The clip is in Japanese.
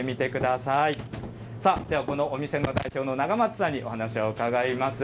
さあ、ではこのお店の代表の永松さんにお話を伺います。